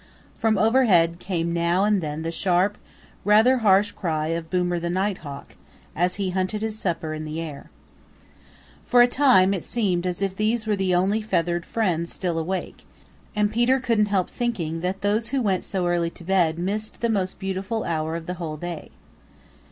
From overhead came now and then the sharp, rather harsh cry of Boomer the Nighthawk, as he hunted his supper in the air. For a time it seemed as if these were the only feathered friends still awake, and Peter couldn't help thinking that those who went so early to bed missed the most beautiful hour of the whole day.